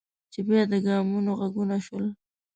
چې بیا د ګامونو غږونه شول.